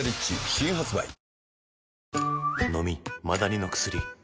新発売あ！